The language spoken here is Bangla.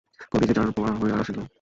কলি যে চারপোয়া হইয়া আসিল!